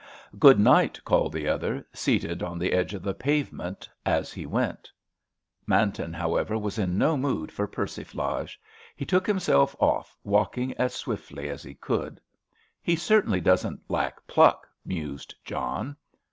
"Good night," called the other, seated on the edge of the pavement, as he went. Manton, however, was in no mood for persiflage. He took himself off, walking as swiftly as he could. "He certainly doesn't lack pluck," mused John.